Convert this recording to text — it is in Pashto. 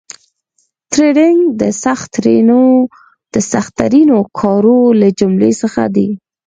ټریډینګ د سخترینو کارو له جملې څخه دي